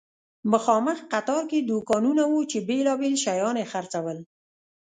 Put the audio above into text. مخامخ قطار کې دوکانونه وو چې بیلابیل شیان یې خرڅول.